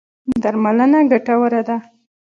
درملنه ګټوره ده.